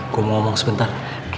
gue mau ngomong sebentar